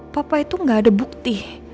papa itu gak ada bukti